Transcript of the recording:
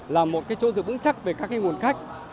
là một chỗ giữ bững chắc về các nguồn khách